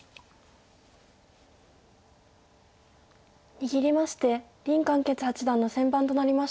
握りまして林漢傑八段の先番となりました。